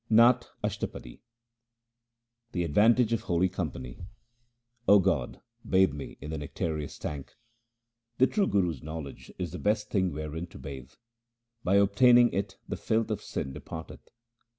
Nat Ashtapadi The advantage of holy company :— 0 God, bathe me in the nectareous tank. The true Guru's knowledge is the best thing wherein to bathe ; by obtaining it the filth of sin depart eth.